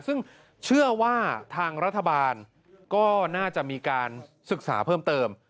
ซึ่งเชื่อว่าทางรัฐบาลก็น่าจะมีการศึกษาเพิ่มเติม